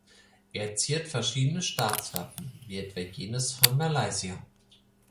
Er ziert verschiedene Staatswappen, wie etwa jenes von Malaysia.